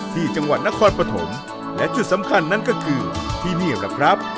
ที่จังหวัดนครปฐมและจุดสำคัญนั่นก็คือที่นี่แหละครับ